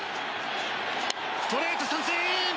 ストレート、三振！